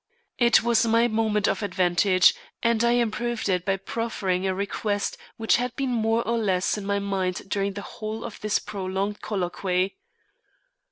It was my moment of advantage, and I improved it by proffering a request which had been more or less in my mind during the whole of this prolonged colloquy.